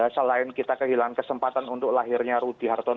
selain kita kehilangan kesempatan untuk lahirnya rudi hartung